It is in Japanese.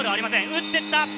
打っていった！